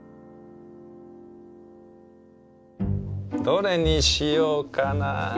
どれにしようかな。